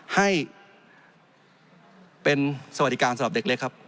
ให้เป็นสวัสดิการสำหรับเด็กเล็กครับ